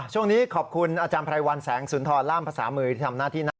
ช่วงนี้ขอบคุณอาจารย์ไพรวัลแสงสุนทรล่ามภาษามือที่ทำหน้าที่นะ